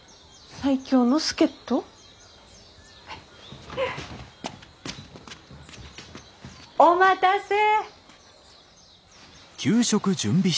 最強の助っ人？お待たせ。